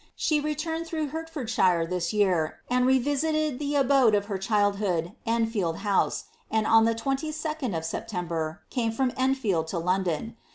She returned through Heitfordshire u.Ls vear^ and revisited the abode of her childhood, Enfield House; and o L^e 2'2d of September came from Enfield to London.